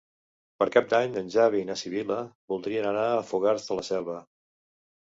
Per Cap d'Any en Xavi i na Sibil·la voldrien anar a Fogars de la Selva.